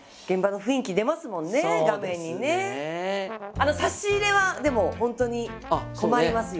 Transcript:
あの差し入れはでも本当に困りますよ。